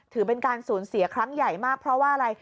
ถือเป็นการสูญเสียครั้งใหญ่มากเพราะว่าอะไร